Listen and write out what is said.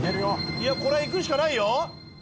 いやこれはいくしかないよ！